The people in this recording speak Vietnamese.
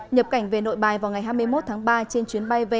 nhập cảnh về nội bài vào ngày hai mươi một tháng ba trên chuyến bay vn năm mươi bốn